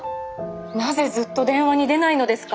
なぜずっと電話に出ないのですか？